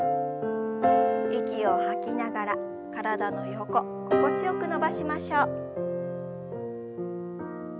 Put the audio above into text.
息を吐きながら体の横心地よく伸ばしましょう。